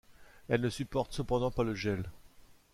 Elle ne supporte cependant pas le gel.